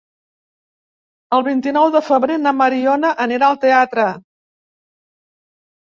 El vint-i-nou de febrer na Mariona anirà al teatre.